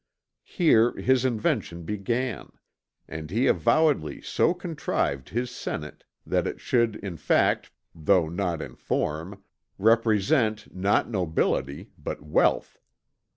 Here his invention began, and he avowedly so contrived his Senate that it should in fact though not in form, represent not nobility but wealth.